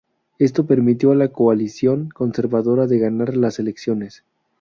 Esto permitió a la coalición conservadora de ganar las elecciones.